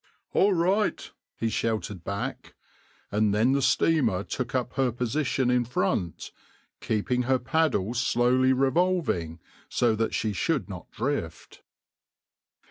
"All right," he shouted back, and then the steamer took up her position in front, keeping her paddles slowly revolving, so that she should not drift.